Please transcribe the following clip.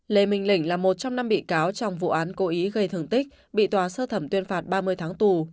lê minh lĩnh là một trong năm bị cáo trong vụ án cố ý gây thương tích bị tòa sơ thẩm tuyên phạt ba mươi tháng tù